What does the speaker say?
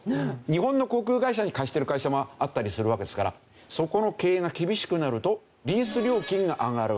日本の航空会社に貸してる会社もあったりするわけですからそこの経営が厳しくなるとリース料金が上がる。